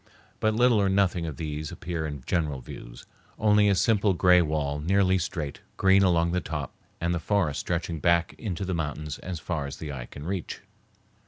But little or nothing of these appear in general views, only a simple gray wall nearly straight, green along the top, and the forest stretching back into the mountains as far as the eye can reach.